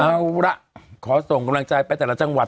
เอาล่ะขอส่งกำลังใจไปแต่ละจังหวัด